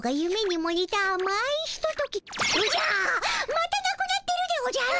またなくなってるでおじゃる。